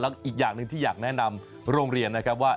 อีกอย่างหนึ่งที่อยากแนะนำโรงเรียนนะครับว่า